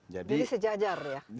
jadi sejajar ya